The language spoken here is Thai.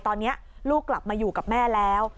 ตอนนี้ลูกกลับมาอยู่กับแม่แล้ว